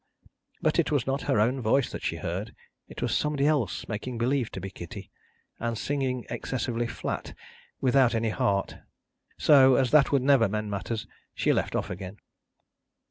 But, it was not her own voice that she heard it was somebody else making believe to be Kitty, and singing excessively flat, without any heart so as that would never mend matters, she left off again.